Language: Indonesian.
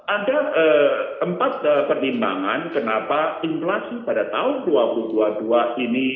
ada empat pertimbangan kenapa inflasi pada tahun dua ribu dua puluh dua ini